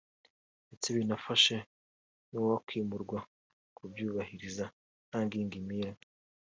ndetse binafashe n’uwakwimurwa kubyubahiriza nta ngingimira